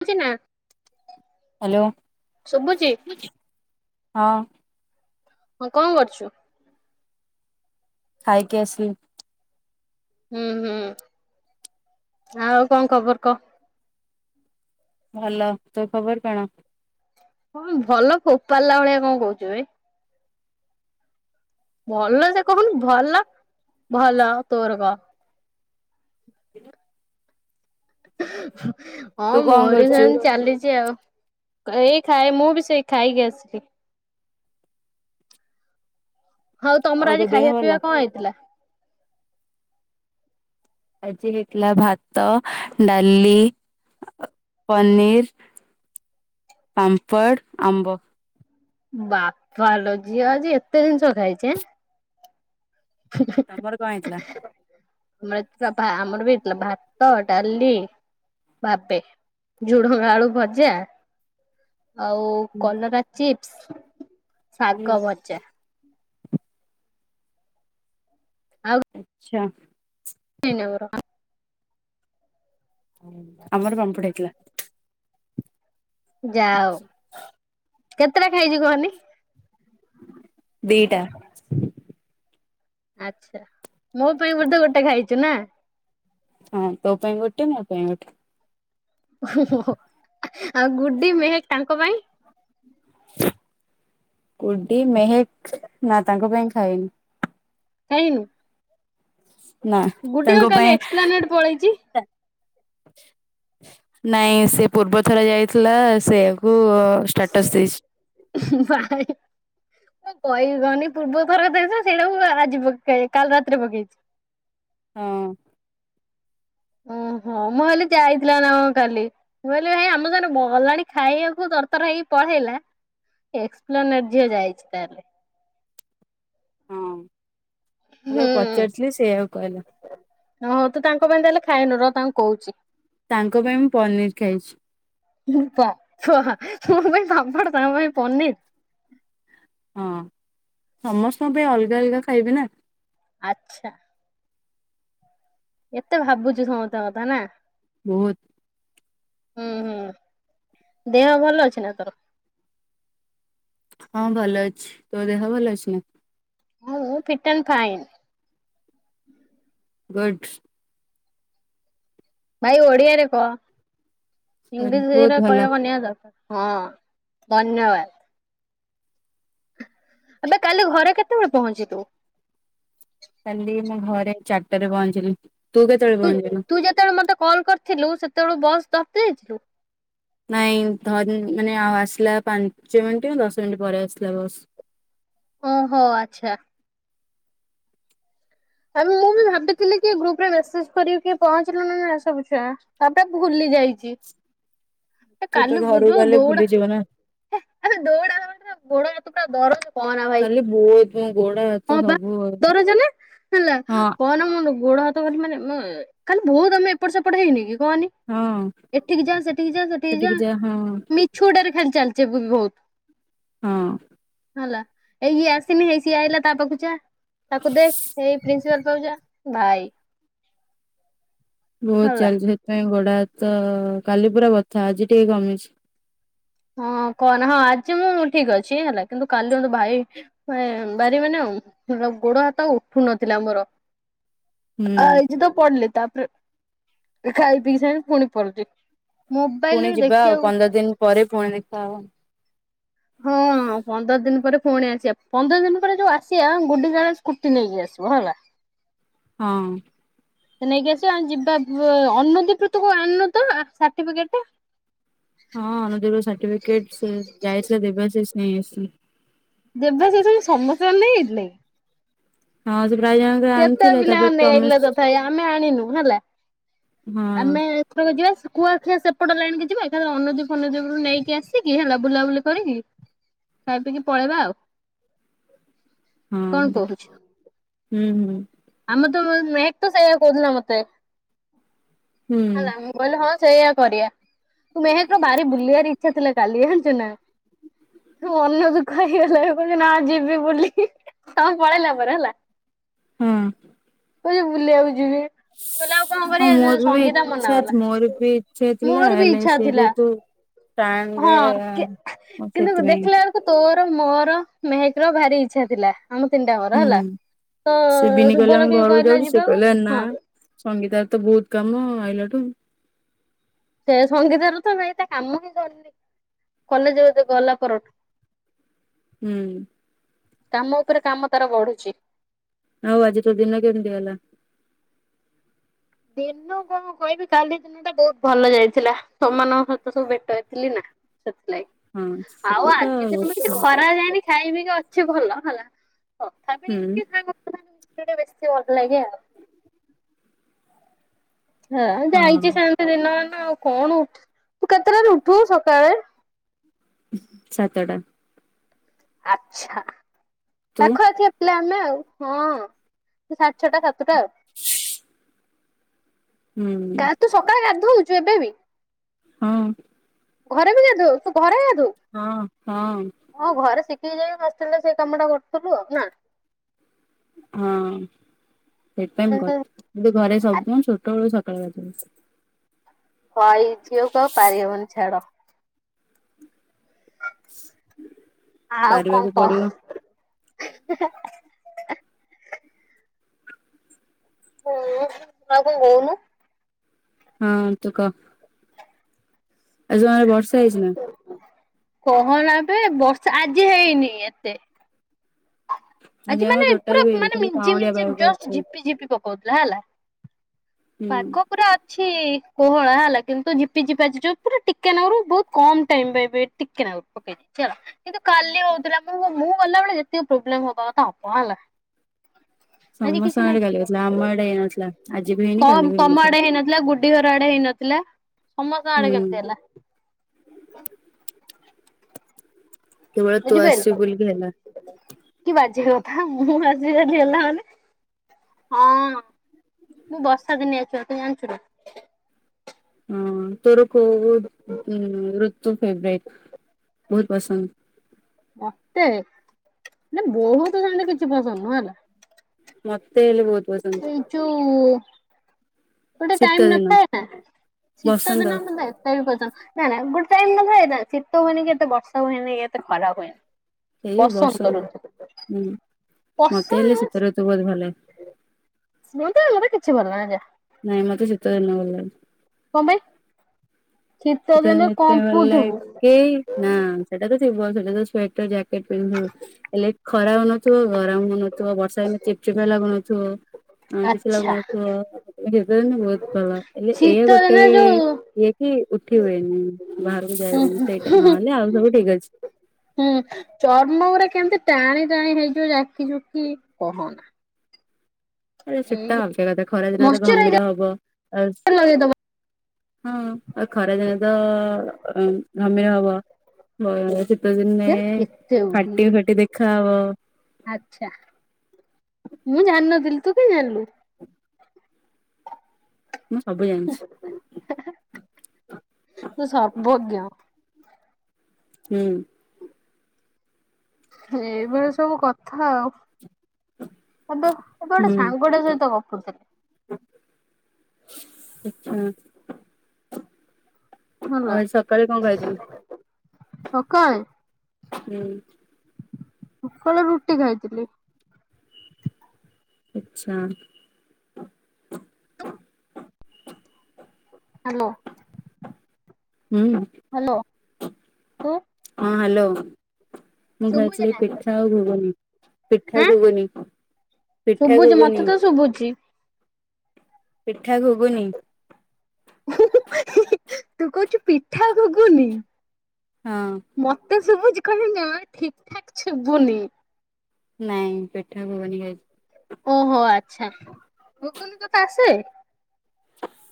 ଶୁବୁଛି ନା? ହ୍ୟାଲୋ ଶୁଭୁଛି ହଁ। ହଁ କଣ କରୁଛୁ? ଖାଇକି ଆସିଲି। ହୁଁ ହୁଁ ଆଉ କଣ ଖବର କହ? ଭଲ ତୁ ଖବର କଣ? ହଁ ଭଲ ଫୋପାଡ଼ିଲା ଭଳିଆ କଣ କହୁଛୁ ବେ। ଭଲ ସେ କହୁନ ଭଲ ଭଲ ତୋର କହ। ହଁ ତୁ କଣ ମୋରି କରୁଛୁ? ସେମିନ୍ତି ଚାଲିଛି ଆଉ। ଏଇ ଖାଏ ମୁଁ ବି ସେଇ ଖାଇକି ଆସିଲି। ହଉ ଆଉ ତମର ତୋ ଆଜି ଦେହ ଖାଇବା ଭଲ? ପିଇବା କଣ ହେଇଥିଲା? ଆଜି ହେଇଥିଲା ଭାତ ଡାଲି ପନିର, ପାମ୍ପଡ଼, ଆମ୍ବ। ବାପାଲୋ ଝିଅ ଆଜି ଏତେ ଜିନିଷ ଖାଇଛି। ତମର କଣ ହୋଇଥିଲା? ଆମର ଆମର ବି ଏଥିଲା ଭାତ ଡାଲି ଭାବେ ଝୁଡ଼ଙ୍ଗ ଆଳୁ ଭଜା। ଆଉ କଲରା ଚିପ୍ସ, ଶାଗ ଆଚ୍ଛା ଭଜା ଆଉ ଆଚ୍ଛା। [unintelligible] ଆମର ପାମ୍ପଡ ହେଇଥିଲା । ଯାହା ହଉ [inaudible] କେତେଟା ଖାଇଛି କହନି? ଦି ଟା ଆଚ୍ଛା ମୋ ପାଇଁ ବୋଧେ ଗୋଟେ ଖାଇଛୁ ହଁ ତୋ ପାଇଁ ଗୋଟ, ମୋ ପାଈଁ ଗୋଟେ ଓ ଆଉ ଗୁଡି ମେହେକ୍ ତାଙ୍କ ପାଈଁ । କୁଡି ମେହେକ ନାଁ ତାଙ୍କ ଖାଇନୁ। ନା ଗୁଡି କଣ ତାଙ୍କ କାଲି ପାଇଁ ଏକ୍ସପ୍ଲାନେଟ ପଳେଇଛି ନାଇଁ ସେ ପୂର୍ବ ଥର ଯାଇଥିଲା ସେଆକୁ ଅ ଷ୍ଟାଟସ୍ ଦେଇଛି। ଭାଇ [unintelligible] ହଁ। ଓହୋ ମୁଁ ହେଲି ଯାଇଥିଲା ନା କଣ କାଲି ତର୍ ତର୍ ହେଇକି ପଢେଇଲା । ଏକ୍ସ ପ୍ଲ ହଁ ମୁଁ ଯଉ ପଚାରୁିଥିଲି ସେଆଉ କହିଲା ହୋ ତୁ ତାଙ୍କ ପାଇଁ ତାହେଲେ ଖା ତାଙ୍କ ପାଇଁ ମୁଁ ପନିର୍ ଖାଇଛି । ପ ଫ ମୋ ପାଈଁ ପାମ୍ପଡ ତାଙ୍କ ପାଈଁ ପନିର୍ । ହଁ ସମସ୍ତଙ୍କ ପାଇଁ ଅଲଗା ଅଲଗା ଖାଇବେ ନା ଆଚ୍ଛା। ଏତେ ଭାବୁଛୁ ସମସ୍ତଙ୍କ କଥା ନାଁ? ବହୁତ୍। ହୁଁ ହୁଁ ଦେହ ଭଲ ଅଛି ନା ତୋର? ହଁ ଭଲ ଅଛି ତୋ ଦେହ ଭଲ ଅଛି ନା? ମୁଁ ଫିତନ୍ ଖାଏନି । ଗୁଡ୍। ଭାଇ ଓଡିଆରେ କହ ହଁ ବହୁତ ଭଲ ଧନ୍ୟବାଦ୍। ଏବେ କାଲି ଘରେ କେତେବେଳେ ପହଂଚିଲୁ? କାଲି ମୋ ଘରେ ଚାରିଟା ରେ ପହଂଚିଲି। ତୁ -ତୁ ଯେତେବେଳ ମତେ କଲ୍ କରିଥିଲୁ, ସେତେବେଳ କୁ ବସ୍ ଧର୍ତେ ଯାଇଥିଲୁ। ନାଇଁ ଧରିନି ମାନେ ଆଉ ଆସିଲା ପାଞ୍ଚ ମିନିଟ୍, ଦଶ ମିନିଟ୍ ପରେ ଆସିଲା ବସ୍ । ଓହୋ ଆଛା। ଆ ମୁଁ ବି ଭାବିଥିଲି କି ଗ୍ରୁପ୍ ରେ ମେସେଜ୍ କରିବେକି ପହଞ୍ଚିଲ ନା ସବୁ ଛୁଆ ତା ପରେ ଭୁଲି ଯାଇଛି। ତୁ ତ କାଲିକୁ ଘରକୁ ଯୋଉ ଗଲେ ଦୌଡା ଭୁଲିଯିବ ନା ହେ ଦୌଡ଼ା ହବା ଭିତରେ କାଲି ବହୁତ ମୋ ଗୋଡ ହାତ ସବୁ ହଁ ଗୋଡ ହାତ [unintelligible] ହେଲା କହନା ମୋ ଗୋଡ ହାତ ଖାଲି ମାନେ କାଲି ବହୁତ୍ ସମୟ ଏପଟ ସେପଟ ହେଇନିକି ହଁ [unintelligible] ଚାଲି ସେଠିକି ଯା ହଁ ଚାଲିଚ ବି ବହୁତ୍ ହଁ ହେଲା ଏଇ ଇଏ ଆସିନି ହେଇ ସିଏ ଆଇ ପ୍ରିନ୍ସିପାଲ୍ ପାଖକୁ ଯିବା ଭାଇ ବହୁତ ହେଲା ଚାଲିଛି ସେଥିପାଇଁ ଗୋଡ ହାତ କାଲି ପୁରା ବଥା ଅଛି ଆଜି ଟିକେ କମିଛି। ହଁ କହନା ହଁ ଆଜି ମୁଁ ଠିକ ଅଛି ହେଲା କିନ୍ତୁ କାଲି ମତେ ଭାଇ ଭା ଭାରି ମାନେ ଅ । ହେଲା ଗୋଡ ହାତ ଆଉ ଉଠୁ ନଥିଲା ମୋର । ହୁଁ । ଆଇଛି ତ ପଡିଲି ତାପରେ ଖାଇ ପିଇ ସାରି ପୁଣି ପଡିଲି । ପୁଣି ଯିବା ଆଉ ପନ୍ଦର ଦିନ ପରେ ପୁଣି ଦେଖା ହବ। ହଁ ପନ୍ଦର ଦିନ ପରେ ପୁଣି ଆସିବା ପନ୍ଦର ଦିନ ପରେ ଯୋଉ ଆସିବା ଗୁଡି କୁ କହିବା ସ୍କୁଟି ନେଇକି ଆସି ବ ହେଲା । ହଁ । ସେ ନେଇକି ଆସିବା ଆମେ ଯିବା ବ ଅନୋଦି କୃତ କୁ ଆଣିନୁ ତ ଆ ସାଟିଫିକେଟ ଟା । ହଁ ଅନଦି ର ସାଟିଫିକେଟ ସେ ଯାଇଥିଲା ଦେବେଶିସ ସେ ନେଇ ଆସିଛି । ଦେବାସିସ ଭାଇ ସମସ୍ତଙ୍କ ର ନେଇ ଆଇଥିଲେ କି। ହଁ । କେତେ ପିଲା ନେଇ ଯାଇଥିଲେ ତଥାପି ଆମେ ଆଣିନୁ ହେଲା ହଁ । ଆମେ ଏଥରକ ଯିବା । କୁଆଖିଆ ସେପଟ ଲାଇନ କି ଯିବା ଏକାଥରେ ଅନଦୀ ଫନଦୀ ଉପରୁ ନେଇକି ଆସିକି ହେଲା ବୁଲାବୁଲି କରିକି । ଖାଇ ପିଇକି ପଳେଇବା ଆଉ । ହୁଁ ଦେଖେ ହୁଁ ହୁଁ । ଆମ ତ ମ ମହେକ ତ ସେଇଆ କହୁଥିଲା ମତେ ହୁଁ ହେଲା ମୁଁ କଇଲି ହ । ସେଇୟା କରିବା ତୁ ମେହେକର ଭାରି ବୁଲିବାର ଇଚ୍ଛା ଥିଲା କାଲି ଆଣିଛୁ ନା । ଅନ ଦୁଃଖ ହେଇଗଲା ରୁ କହୁଚି ନା ଯିବି ବୁଲି ତମେ ପଳେଇଲା ପରେ ହେଲା । ହଁ । କଉଛି ବୁଲିଆ କୁ ଯିବି । ଆଉ କଣ ହଁ କରିବା ସେ ମୋର ବି ସଙ୍ଗୀତା ମନା ଇଚ୍ଛା କଲା ମୋର ବି ଇଚ୍ଛା ଥିଲା ମୋର ବି ହେଲେ ଇଚ୍ଛା ସେ ଥିଲା ଯେହେତୁ । ଟାଣରେ ହଁ କି କିନ୍ତୁ ସେଥିପାଇଁ ଦେଖିଲା ବେଳକୁ ତୋର। ମୋର ମେହେକ ର ଭାରି ଇଚ୍ଛା ଥିଲା । ଆମ ତିନିଟା ଙ୍କର ହୁଁ ହେଲା ତ ଶୁଭଲକ୍ଷ୍ମୀ । ଘର କୁ ଯାଉଛି ସେ କହିଲା ନା ସଙ୍ଗୀତା ର ତ ବହୁତ କାମ ଆଇିଲା ଠୁ । ସେୟା ସଙ୍ଗୀତା ରା ତ ନାଇ ତା କାମ ହିଁ ସରିନି । କଲେଜରେ ତ ଗଲା ପରଠୁ । ହୁଁ । କାମ ଉପରେ କାମ ତାର ବଢୁଛି । ଆଉ ଆଜି ତୋ ଦିନ କେମିତି ଗଲା ‌। ଦିନ କଣ କହିବି କାଲି ଦିନ ଟା ବହୁତ ଭଲ ଯାଇଥିଲା ତମ ମାନଙ୍କ ସହିତ ସବୁ ଭେଟ ହେଇଥିଲି ନା ‌। ହଁ ସେଥିଲାଗି ସେଟା ଆଉ ତ ଆଜି ଦିନ ହୁଁ ତ କିଛି ଖରା ରେ ଯାଇନି । ଖାଇ ପିକ ଅଛି ଭଲ ହେଲା ତଥାପି ଟିକେ ସାଙ୍ଗ ପିଲାଙ୍କ ସହ ମିଶିଲେ ଟିକେ ବେଶୀ ଭଲ ଲାଗେ ଆଉ। ହଁ ଜାଇଛି ଶେନ୍ତି ଦିନମାନ । ଆଉ କଣ ଉଠୁ ତୁ କେତେ ଟାରେ ଉଠୁ ସକାଳେ । ସାତଟା । ଆଛା ତୁ ପାଖ ପାଖିଆ ପିଲା ଆମେ ଆଉ । ହଁ ସେ ସାଡେ ଛଟା ସାତଟା ଆଉ । ହୁଁ ତାହେଲେ ତୁ ସକାଳେ ଗାଧଉଛୁ ଏବେ ବି। ହଁ । ଘରେ ବି ଗାଧଉ ତୁ ଘରେ ଗା ହଁ ହଁ । ଟିକେ ଯାଇସି ହଷ୍ଟେଲ ରେ ସେ କାମ ଟା କରୁଥିଲୁ ଆଉ ନା । ହଁ ସେଇଥି ପାଇଁ ମୁ କରୁ ମୁଁ ବି ଘରେ ସବୁ ଦିନ ଛୋଟ ବେଳୁୁ ସ ସକାଳୁ ଗାଧୁଏ । ହ୍ବାଇ ଝିଅ କୁ ଆଉ ପାରି ହେବନି ଛାଡ । ଆଉ କଣ ପାରିବାକୁ କହ ପଡିବ । ହଁ, ନା କଁ କହୁନୁ? ହଁ, ତୁକ । ଆଜି ତମଆରେ ବର୍ଷା ହେଇଛି ନା? କହନାବେ ବର୍ଷା! ଆଜି ହେଇନି ଏତେ । ଆଜି ଆମର ମାନେ, ଟୋଟାଲ ପୁରା ବି ହେଇନି ମାନେ, ଖାଲି ମିଞ୍ଜି କାଉଁଳିଆ ମିଞ୍ଜି ପାଗ ଜଷ୍ଟ! କରିଛି ହୁଁ। ଝିପି ଝିପି ପକ୍ କହୁଥିଲା ହେଲା। ପାଗ ପୁରା କିଛି କୋହଳା ହେଲା, କିନ୍ତୁ ଝିପିଝିପି ଆଜି ଯଉ ପୁରା ଟିକେ ନାଗରୁ, ବହୁତ କମ ଟାଇମ଼୍ ପାଇଁ ବେ ଟିକେ ନା ପକେଇ ଦେଇଛି ହେଲା। କିନ୍ତୁ, କାଲି ହଉଥିଲା। ମୁଁ, ବା ମୁଁ, ଗଲାବେଳେ ଯେତିକି ପ୍ରୋବ୍ଲେମ୍ ହବା ତ କଣ ହେଲା? ଆଜି ସମସ୍ତଙ୍କ କିଛି ଆଡେ କାଲି ହେଇଥିଲା ଆମ ଆଡେ ହେଇନଥିଲା ଆଜି ନାହିଁ। ବି ହେଇନି କାଲି ତମ୍ ବି -ତମ ଆଡେ ହେଇନଥିଲା। ଗୁଡ୍ଡୀ ଘର ଆଡେ ହେଇ ନଥିଲା। ସମସ୍ତଙ୍କ ଆଡେ ହୁଁ। କେମିତି ହେଲା? କେବଳ ତୁ ବୁଝିପାଇଲ ଆସିଛୁ ତ! ବୋଲିକି ହେଲା କି ବାଯେ ହୋ ଥା, ମୁଁହ ଭାସି [unintelligible] ହେଲା ମାନେ? ହଁ, ମୁଁ ବର୍ଷା ଦିନିଆ ଛୁଆ! ତୁ ଜାଣିଛୁ ନା? ହଁ, ତୋର କୋଉ ଋ-ଋତୁ ଫେବ୍ ରାଇଟ? ବହୁତ ପସନ୍ଦ । ମତେ! ନା, ବହୁତ ସେମତି କିଛି ପସନ୍ଦ ନୁହଁ ହେଲା । ମତେ ହେଲେ ବହୁତ ପସନ୍ଦ । ଯୋଉ ଗୋଟେ ଟାଇମ୍ ଦିନ ନଥାଏ। ଶୀତ ବସନ୍ତ ଦିନ ହେଲା ଏତେ ବି ପଚନ୍ତ। ନା, ନା, ଗୋଟେ ଟାଇମ ନଥାଏ, ଶୀତ ହୁଏନି କି, ଏତେ ବର୍ଷା ହୁଏନି, କି ଏତେ ଖରା ହୁଏନି । ଏଇ ବସନ୍ତ ହୁଁ । ମତେ ହେଲେ, ଶୀତ ଋତୁ ବହୁତ ଭଲଲାଗେ । ସ୍ମୁତ [unintelligible] କିଛି ଭଲ [unintelligible] ଜା । ନାଇଁ, ମତେ ଶୀତ ଦିନ ଭଲ ଲାଗେ । କଁ ପାଇଁ? ଶୀତ ଶୀତଦିନ ଦିନେ ଏଇଥିପାଇଁ ଭଲ କମ୍ପୁଥିବୁ ଲାଗେ ନାଁ! ସେଟା ତ ଥିବ ସେଠ୍ ଯେତେ ସ୍ୱେଟର, ଯ୍ୟାକେଟ୍ ପିନ୍ଧିବୁ ହେଲେ ଖରା ହଉନଥିବ, ଗରମ ହଉନଥିବ, ବର୍ଷା ଇନେ ଚିପ୍ ଚିପା ଲାଗୁନଥିବ । କିଛି ଆଚ୍ଛା ଲାଗୁନଥିବ। ଶୀତ ଦିନେ ବହୁତ ଭଲ। ହେଲେ ଏୟା ଶୀତ ଗୋଟେ ଦିନେ ଯୋଉ ଇଏ କି ଉଠ୍ ଉଠି ହୁଏନି, ବାହାରକୁ ଯାଇ ହୁଁ ହୁଏନି, ହୁଁ ସେଇଟା ନହେଲେ ଆଉ ସବୁ ଠିକ୍ ଅଛି । ହୁଁ, ଚର୍ମ ଗୁଡା କେମିତି ଟାଣି ଟାଣି ହେଇଯିବ, ଯାକି ଯୁକି କହନା । ଆରେ ସେଟା ଆଲଗା କଥା। ଖରାଦିନ ତ ଘମୀର ମଶ୍ଚରାଇଜର ହବ। ଆସ୍ ଲଗେଇଦବ ହଁ, ଆ ଖରାଦିନେ ତ-ଅ ଘମିର ହବ । ହଁ ଯେ, ଶୀତ ଦିନେ ଫାଟି ଫାଟି ଦେଖା ହବ । ଆଛା, ମୁଁ ଜାଣିନଥିଲି। ତୁ କିଁ ଜାଣିଲୁ? ମୁଁ ସବୁ ଜାଣିଛି ହାଁ ହାଁ, ତୁ ସର୍ବଜ୍ଞ! ହୁଁ। ଏଭଳି ସବୁ କଥା ଆଉ । ଏବେ ଏବେ ଗୋଟେ, ସାଙ୍ଗଟା ସହିତ ଗପୁଥିଲି । ଇଚ୍ଛାଁ। ହେଲା ଆଜି ସକାଳେ କଣ ଖାଇଥିଲୁ? ସକାଳେ! ହୁଁ। ସକାଳେ ରୁଟି ଖାଇଥିଲି । ଆଚ୍ଛା। ହ୍ୟାଲୋ! ହୁଁ, ହ୍ୟାଲୋ ତୁ ହଁ ହ୍ୟାଲୋ! ମୁଁ, ଶୁଭୁଛି ଖାଇଥିଲି ନା ପିଠା ଆଉ ଘୁଗୁନି, ପିଠା ଆଁ ଘୁଗୁନି । ଶୁଭୁଛି ମତେ ତ ଶୁଭୁଛି । ପିଠା ଘୁଗୁନି । ହୁଁ ହୁଁ ହିଁ ହିଁ ତୁ କହୁଛୁ ପିଠା ଘୁଗୁନି। ହଁ। ସଭୁଛି [unintelligible] ଠିକଠାକ ଶୁବୁନି। ନାଇଁ ପିଠା ହବନି ଆଜି। ଓହୋ ଆଚ୍ଛା ଭୁଗୁନି ତତେ ଆସେ?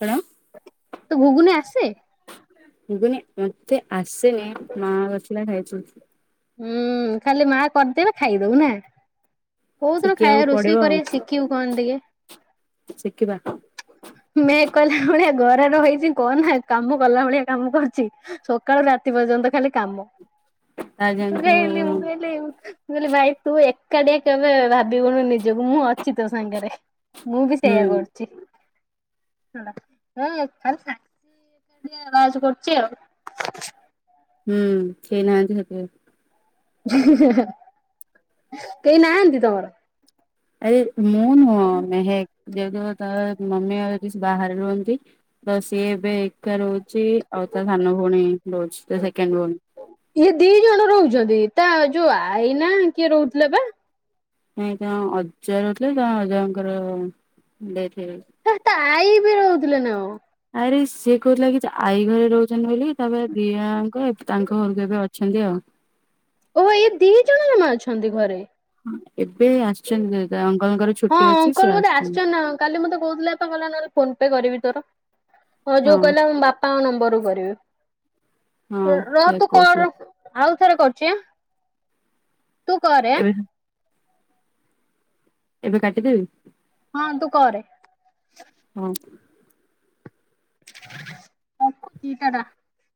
କଣ? ତେ ଘୁଗୁନି ଆସେ? ଭୁଗୁନି ମତେ ଆସେନି ମା ବସିଲେ ଖାଇଛୁ। ହୁଁ ଖାଲି ମା କରିଦେବେ ଖାଇଦବୁ ନା। କୋଉଦିନ ଶିଖିବାକୁ ଖାଇବା ପଡିବ ରୋଷେଇ ଆଉ କରିବା ଶିଖିବୁ କହନି ଟିକେ। ଶିଖିବା। ମେ କହିଲା ଭଳିଆ ଘରର ହେଇଛି କଣ ନା କାମ କଲା ଭଳିଆ କାମ କରୁଛି। ସକାଳୁ ରାତି ପର୍ଯ୍ୟନ୍ତ ଖାଲି କାମ। ଆ ମୁଁ ଜାଣିଛୁ ଗାଇଲି ମୁଁ ଗାଇଲି ମୁ- କହିଲି ଭାଇ ତୁ ଏକାଟି କେବେ ଭାବିବୁନୁ ନିଜକୁ ମୁଁ ଅଛି ତୋ ସାଙ୍ଗରେ। ମୁଁ ବି ହୁଁ ସେଇଆ କରୁଛି ହେଲା [unintelligible] [inaudible] କରଛି ଆଉ। ହୁଁ କେହିନାହାନ୍ତି ସେଥିପାଇଁ। କେହି ନାହନ୍ତି ତମର? ଆରେ ମୁଁ ନୁହଁ ମେହେକ୍ ଯଦିଓ ତା ମମି ଆଉ ପିସି ବାହାରେ ରୁହନ୍ତି ତ ସିଏ ଏବେ ଏକା ରହୁ- ଛି ଆଉ ତା ସାନ ଭଉଣୀ ଡୋଜ ତା ସେକେଣ୍ଡ ଭଉଣୀ। ଇଏ ଦି ଜଣ ରହୁଛନ୍ତି ତା ଯୋଉ ଆଇ ନା କିଏ ରହୁଥିଲା ବା? ନାଇ ତା ଅଜା ରହୁଥିଲେ ତା ଅଜାଙ୍କର ଡେଥ୍ ହେଇଗଲା। ଆଇ ବି ରହୁଥିଲେ ନା କଁ? ଆରେ ସିଏ କହୁଥିଲା କି ଆଈ ଘରେ ରହୁଛନ୍ତି ବୋଲି ତାପରେ ଦିଆଙ୍କ ତାଙ୍କ ଘରକୁ ଏବେ ଅଛନ୍ତି ଆଉ। ଓହ ଏଇ ଦି ଜଣ ଜମା ଅଛନ୍ତି ଘରେ? ହଁ ଏବେ ଆସିଛନ୍ତି ତା ଅଙ୍କଲଙ୍କର ହଁ ଛୁଟି ଅଛି ସିଏ ଅଙ୍କଲ ବୋଧେ ଆସିଛନ୍ତି ନା କଣ କାଲି ମତେ କହୁଥିଲେ ଏ କଲା ନହେଲେ ଫୋ- କରିବି ତୋର ହଁ ଯୋଉ କହିଲା ବାପାଙ୍କ ନମ୍ବରରୁୁ ହଁ କରିବି। ରହ ସେ ତୁ କହୁଥିଲା କର ଆଉ ଥରେ କରୁଛ ହାଁ ତୁ କରେ ଆଁ! ଏବେ ଏବେ କାଟି ଦେବି? ହଁ ତୁ କରେ। ହଉ। [inaudible]